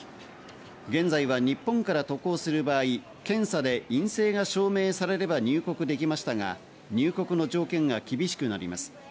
現在は日本から渡航する場合、検査で陰性が証明されれば入国できましたが、入国の条件が厳しくなります。